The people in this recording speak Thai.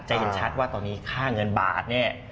เห็นชัดว่าตอนนี้ค่าเงินบาทเนี่ย